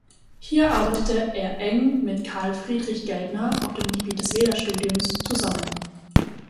Hier arbeitete er eng mit Karl Friedrich Geldner auf dem Gebiet des Veda-Studiums zusammen.